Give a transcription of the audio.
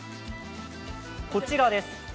こちらです。